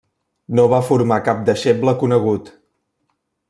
No va formar cap deixeble conegut.